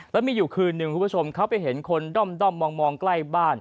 แล้วมีอยู่คืนนึงคุณผู้ชมเขาไปเห็นคนด้อมมองใกล้บ้าน